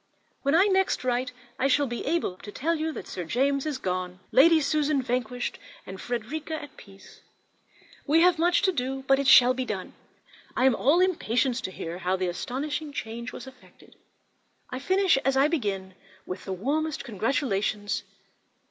When I next write I shall be able to tell you that Sir James is gone, Lady Susan vanquished, and Frederica at peace. We have much to do, but it shall be done. I am all impatience to hear how this astonishing change was effected. I finish as I began, with the warmest congratulations.